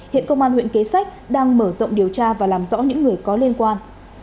hiện công an huyện kế sách đang mở rộng điều tra và làm rõ những người có liên quan